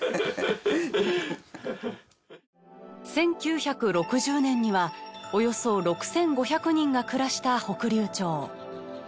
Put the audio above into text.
１９６０年にはおよそ６５００人が暮らした北竜町。